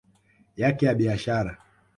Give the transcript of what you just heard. yake ya biashara